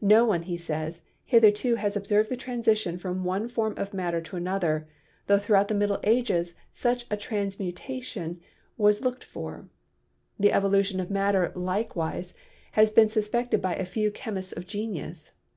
"No one," he says, "hith erto has observed the transition from one form of matter to another, tho throughout the Middle Ages such a transmu tation was looked for. The evolution of matter likewise has been suspected by a few chemists of genius.